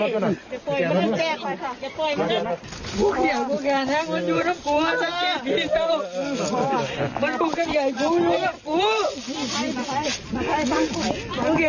ห้องทางนี้มีเวท้าพูดถูก